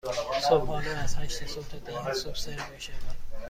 صبحانه از هشت صبح تا ده صبح سرو می شود.